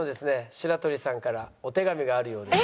白鳥さんからお手紙があるようです。